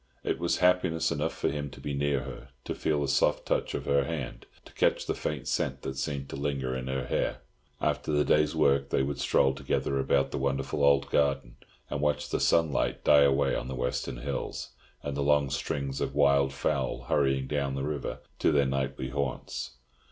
It was happiness enough for him to be near her, to feel the soft touch of her hand, to catch the faint scent that seemed to linger in her hair. After the day's work they would stroll together about the wonderful old garden, and watch the sunlight die away on the western hills, and the long strings of wild fowl hurrying down the river to their nightly haunts.